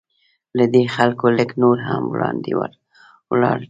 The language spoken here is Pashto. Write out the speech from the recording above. له دې خلکو لږ نور هم وړاندې ولاړ چیني.